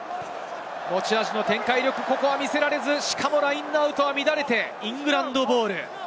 持ち味の展開力を見せられず、ラインアウトは乱れて、イングランドボール。